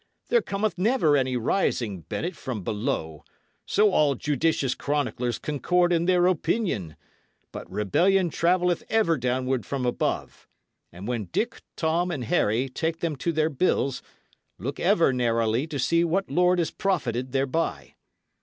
"There cometh never any rising, Bennet, from below so all judicious chroniclers concord in their opinion; but rebellion travelleth ever downward from above; and when Dick, Tom, and Harry take them to their bills, look ever narrowly to see what lord is profited thereby.